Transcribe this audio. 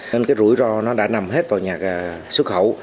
nên cái rủi ro nó đã nằm hết vào nhà xuất khẩu